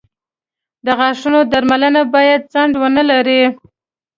• د غاښونو درملنه باید ځنډ ونه لري.